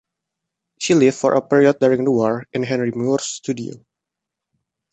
She lived for a period during the war in Henry Moore's studio.